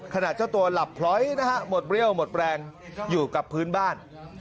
เจ้าตัวหลับพร้อยนะฮะหมดเรี่ยวหมดแรงอยู่กับพื้นบ้าน